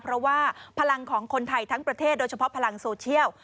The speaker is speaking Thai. เพราะว่าพลังของคนไทยทั้งประเทศโดยเฉพาะพลังโซเชียล